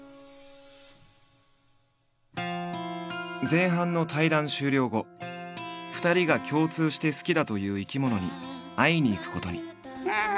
前半の対談終了後２人が共通して好きだという生き物に会いに行くことに。